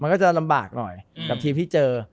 มันก็จะลำบากหน่อยกับทีมที่เจอ